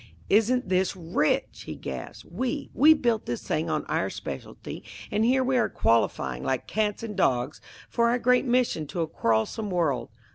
"Isn't this rich!" he gasped. "We we built this thing on our specialty, and here we are qualifying like cats and dogs for our great mission to a quarrelsome world.